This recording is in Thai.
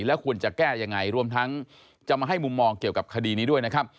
แล้วควรจะแก้ยังไงรวมทั้งจะมาให้มุมมองเกี่ยวกับคดีนี้ด้วยนะครับ